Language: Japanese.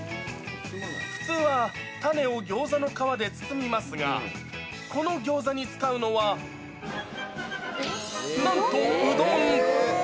普通は、タネをギョーザの皮で包みますが、このギョーザに使うのは、なんとうどん。